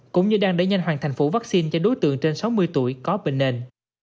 cũng như đang đẩy nhanh hoàn thành phủ vaccine cho đối tượng trên sáu mươi tuổi có bệnh nền